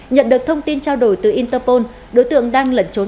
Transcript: nhận được thông tin trao đổi từ interpol đối tượng đang lẩn trốn